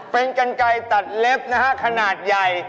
เป็นกันไก่ตัดเล็บนะฮะขนาดใหญ่